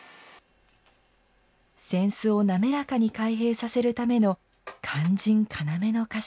扇子を滑らかに開閉させるための肝心要の箇所。